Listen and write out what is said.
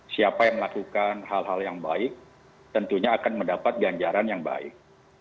siapa yang melakukan hal hal yang baik tentunya akan mendapat ganjaran yang baik